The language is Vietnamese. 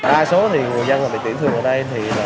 ai số người dân bị tiễn thường ở đây